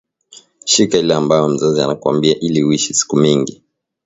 Shika ile ambayo mzazi anakuambia ili uishi siku mingi